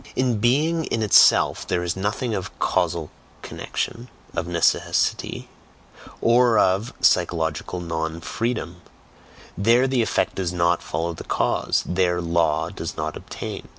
In "being in itself" there is nothing of "casual connection," of "necessity," or of "psychological non freedom"; there the effect does NOT follow the cause, there "law" does not obtain.